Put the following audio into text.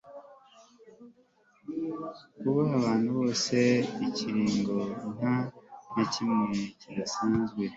wubahe abantu bose. ikiringo. nta na kimwe kidasanzwe